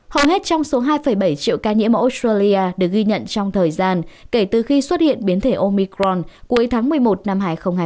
hầu hết trong số hai bảy triệu ca nhiễm ở australia được ghi nhận trong thời gian kể từ khi xuất hiện biến thể omicron cuối tháng một mươi một năm hai nghìn hai mươi ba